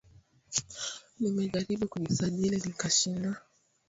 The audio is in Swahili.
Nimejaribu kujisajili nikashindwa